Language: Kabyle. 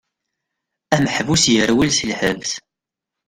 Ameḥbus yerwel si lḥebs.